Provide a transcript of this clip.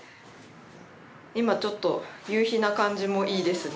今ちょっと夕日な感じもいいですね。